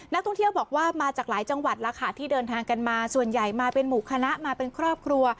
นักท่องเที่ยวบอกว่ามาจากหลายจังหวัดแล้วค่ะที่เดินทางกันมาส่วนใหญ่มาเป็นหมู่คณะมาเป็นครอบครัว